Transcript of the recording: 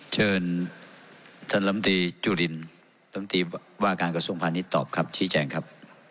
เชิญท่านลำดีจุฬินลำดีวาการกระทรวงภัณฑ์นี้ตอบครับชิ้นแจงครับ